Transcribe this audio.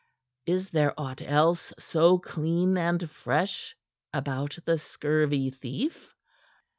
Is there aught else so clean and fresh about the scurvy thief?"